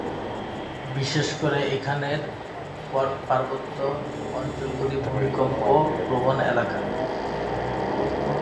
বিশেষ করে এখানের পার্বত্য অঞ্চলগুলি ভূমিকম্প-প্রবণ এলাকা।